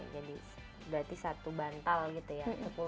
jadi berarti satu bantal gitu ya